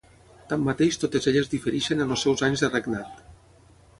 Tanmateix totes elles difereixen en els seus anys de regnat.